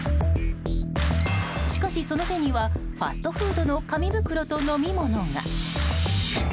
しかし、その手にはファストフードの紙袋と飲み物が。